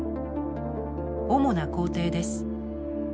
主な工程です。